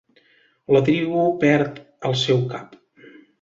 La tribu perd el seu cap.